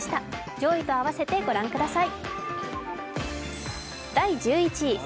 上位と併せて御覧ください。